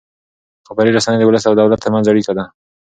خبري رسنۍ د ولس او دولت ترمنځ اړیکه ده.